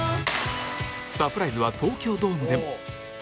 サプライズは東京ドームでも